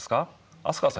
飛鳥さん